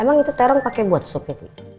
emang itu terang pakai buat sop ya tuy